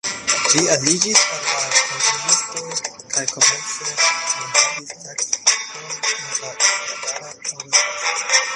Li aliĝis al la komunistoj kaj komence li havis taskojn en la junulara organizaĵo.